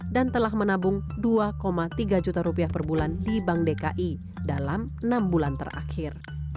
dan telah menabung dua tiga juta rupiah per bulan di bank dki dalam enam bulan terakhir